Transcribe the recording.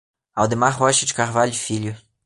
Aldemar Rocha de Carvalho Filho